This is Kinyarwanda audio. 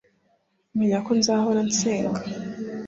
menya ko nzahora nsenga